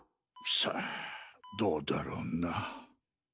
さあどうだろうな。